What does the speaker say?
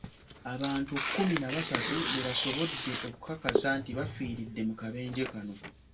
Abantu kkumi na basatu be basobodde okukakasa nti bafiiridde mu kabenje kano.